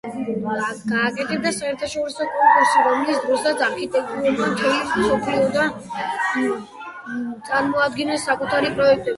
გაკეთდა საერთაშორისო კონკურსი, რომლის დროსაც არქიტექტორებმა მთელი მსოფლიოდან წარმოადგინეს საკუთარი პროექტები.